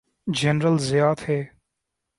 General Zia تھے۔